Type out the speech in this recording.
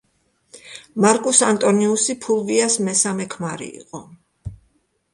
მარკუს ანტონიუსი ფულვიას მესამე ქმარი იყო.